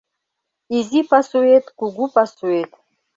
Изи пасуэт, кугу пасуэт -